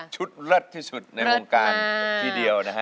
เลิศที่สุดในวงการทีเดียวนะฮะ